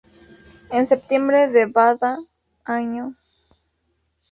En septiembre de vada año.